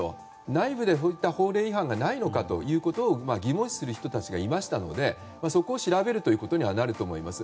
内部に本当に法令違反がないのかということを疑問視する人たちがいましたのでそこを調べるということにはなると思います。